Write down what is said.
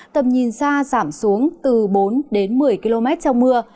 tầm nhìn xa giảm xuống từ bốn đến một mươi km trong mưa